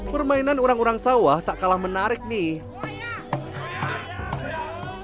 permainan orang orang sawah tak kalah menarik nih